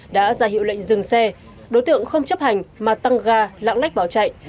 đã ra hiệu lệnh dừng xe đối tượng không chấp hành mà tăng ga lãng lách bỏ chạy